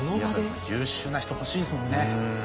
優秀な人欲しいですもんね。